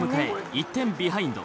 １点ビハインド。